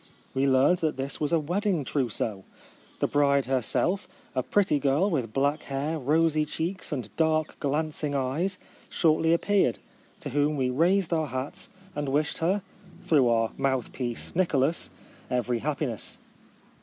We learnt that this was a wedding trousseau. The bride herself, a pretty girl with black hair, rosy cheeks, and dark glancing eyes, shortly appeared, to whom we raised our hats and wished her, 1878.] A Ride across the Peloponnese. 557 through our mouthpiece Nicholas, every happiness.